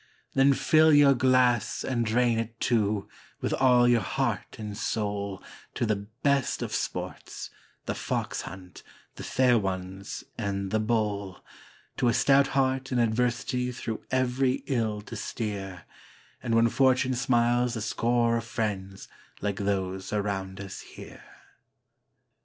Then fill your glass, and drain it, too, with all your heart and soul, To the best of sports The Fox hunt, The Fair Ones, and The Bowl, To a stout heart in adversity through every ill to steer, And when Fortune smiles a score of friends like those around us here.